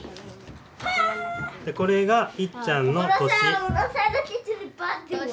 これがいっちゃんの年。